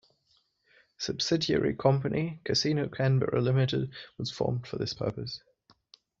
A subsidiary company, Casino Canberra Limited was formed for this purpose.